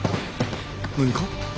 何か？